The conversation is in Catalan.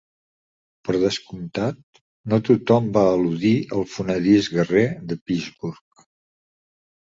Per descomptat, no tothom va eludir el fonedís guerrer de Pittsburgh.